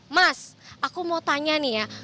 mas aku mau tanya nih ya